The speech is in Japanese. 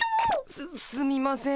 すすみません。